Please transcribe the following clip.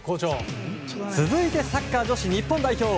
続いて、サッカー女子日本代表。